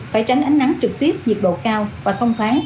phải tránh ánh nắng trực tiếp nhiệt độ cao và thông thoáng